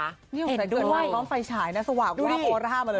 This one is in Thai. นี่อยู่ในเกือบวันม้องไฟฉายน่ะสว่าพอร่ามาเลย